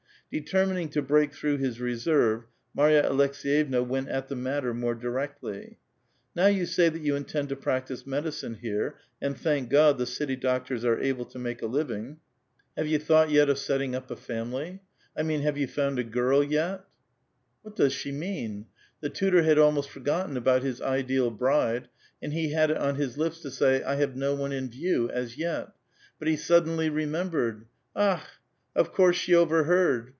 Determining to break through his reserve, Marva Aleks^vevna went at the matter more diroctlv. "Now you say that you intend to practise medicine here, and, thank Godj the city doctors are able to make a living ! Have 76 A VITAL QUESTION. voii tlioiijjht yet of sotting up a f amilj* ?— I mean, have you luuiul Ji jrirl yet?" Wliat clixs ^he mean? The tutor had almost forgotten al)out his ideal bride, and he had it on his lips to say, ''I have no one in view as yet "; but he suddenly remembered. Akli ! of coui se slie overheard